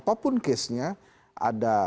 apapun case nya ada case waktu itu ada yang bilang